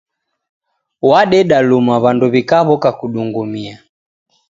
Wadeda luma w'andu w'ikaw'oka kudungumia.